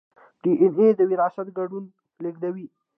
ډي این اې د وراثت کوډونه لیږدوي